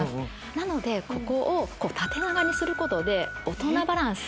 なのでここを縦長にすることで大人バランス。